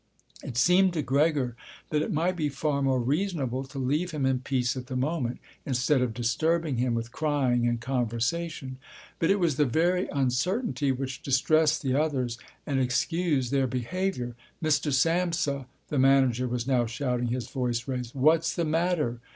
It seemed to Gregor that it might be far more reasonable to leave him in peace at the moment, instead of disturbing him with crying and conversation. But it was the very uncertainty which distressed the others and excused their behaviour. "Mr. Samsa," the manager was now shouting, his voice raised, "what's the matter?